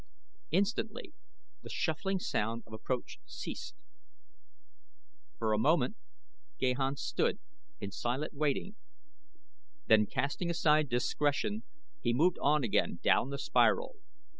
Instantly the shuffling sound of approach ceased. For a moment Gahan stood in silent waiting, then casting aside discretion he moved on again down the spiral.